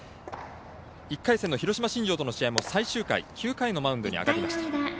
１回戦の広島新庄との試合も最終回、９回のマウンドに上がりました。